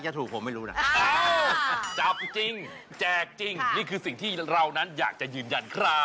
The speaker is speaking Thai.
ช่วงนี้กลับไปติดตามความสนุกกับตลอดข่าวต่อเลยจ้า